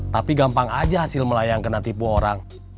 tapi gampang aja hasil melayang kena tipu orang